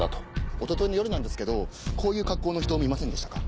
一昨日の夜なんですけどこういう格好の人見ませんでしたか？